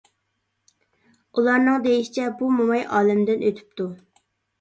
ئۇلارنىڭ دېيىشىچە بۇ موماي ئالەمدىن ئۆتۈپتۇ.